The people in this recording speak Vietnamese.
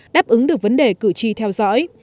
đáp ứng được vấn đề cử tri theo dõi